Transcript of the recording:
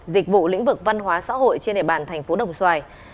dịch vụ lĩnh vực văn hóa xã hội trên địa bàn thành phố đồng xoài